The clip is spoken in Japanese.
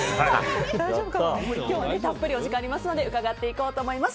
今日はたっぷりお時間ありますので伺っていこうと思います。